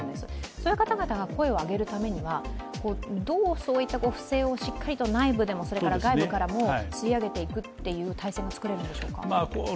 そういう方々が声を上げるためにはどうそういった不正を内部から外部からも吸い上げていくという体制を作れるんでしょうか。